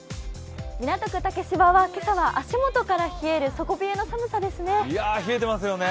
港区竹芝は今朝は足元から冷えるいや、冷えてますよね。